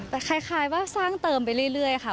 แต่คล้ายว่าสร้างเติมไปเรื่อยค่ะ